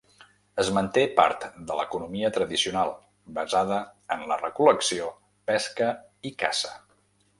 Es manté part de l'economia tradicional, basada en la recol·lecció, pesca i caça.